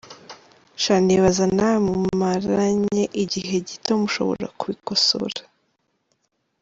sha nibaza nawe mumaranye igihe gito mushobora kubikosora.